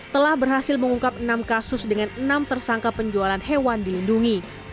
telah berhasil mengungkap enam kasus dengan enam tersangka penjualan hewan dilindungi